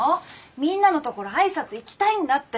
みんなのところ挨拶行きたいんだってば。